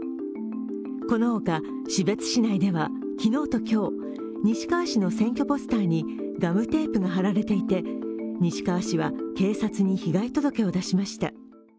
この他、士別市内では昨日と今日、西川氏の選挙ポスターにガムテープが貼られていて西川氏は警察に被害届を出しました。